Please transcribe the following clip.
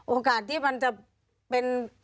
โอกาสที่มันจะเป็น